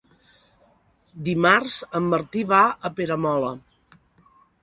Dimarts en Martí va a Peramola.